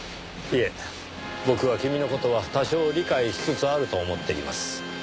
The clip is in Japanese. いえ僕は君の事は多少理解しつつあると思っています。